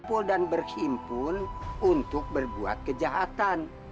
kumpul dan berkimpun untuk berbuat kejahatan